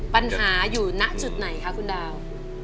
ปัญหาอยู่ณจุดไหนคะคุณดาว